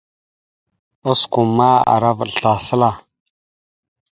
Osko ma ara vaɗ slasəla.